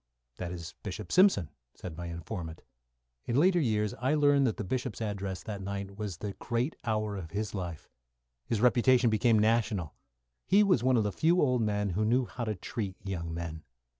"That is Bishop Simpson," said my informant. In later years, I learned that the Bishop's address that night was the great hour of his life. His reputation became national. He was one of the few old men who knew how to treat young men.